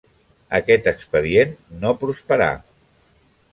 Aquest expedient no prosperà.